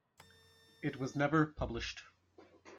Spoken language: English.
It was never published.